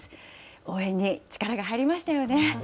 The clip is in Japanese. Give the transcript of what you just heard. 応援に力が入りましたよね。